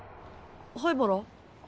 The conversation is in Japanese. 灰原？